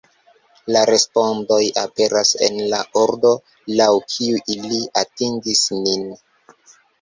La respondoj aperas en la ordo laŭ kiu ili atingis nin.